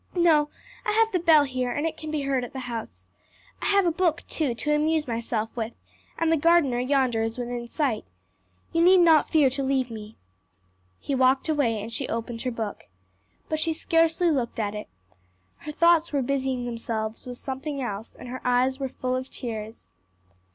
"No; I have the bell here, and it can be heard at the house. I have a book, too, to amuse myself with: and the gardener yonder is within sight. You need not fear to leave me." He walked away and she opened her book. But she scarcely looked at it. Her thoughts were busying themselves with something else, and her eyes were full of tears.